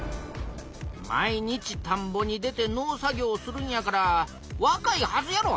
毎日たんぼに出て農作業するんやからわかいはずやろ。